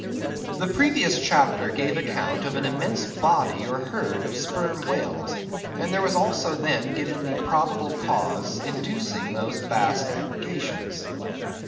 The previous chapter gave account of an immense body or herd of Sperm Whales, and there was also then given the probable cause inducing those vast aggregations.